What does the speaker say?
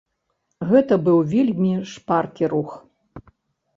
Гэта быў вельмі шпаркі рух.